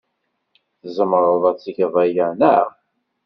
Tzemreḍ ad tgeḍ aya, naɣ?